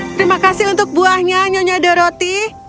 terima kasih untuk buahnya nyonya doroti